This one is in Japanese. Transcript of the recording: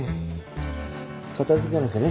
片付けなきゃね